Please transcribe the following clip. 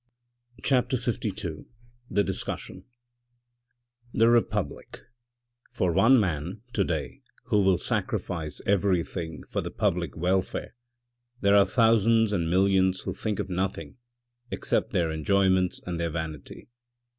CHAPTER LII THE DISCUSSION The republic :— For one man to day who will sacrifice everything for the public welfare, there are thousands and millions who think of nothing except their enjoyments and their vanity.